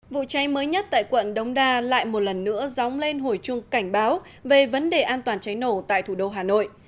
vụ cháy mới nhất tại quận đống đa lại một lần nữa dóng lên hồi chuông cảnh báo về vấn đề an toàn cháy nổ tại thủ đô hà nội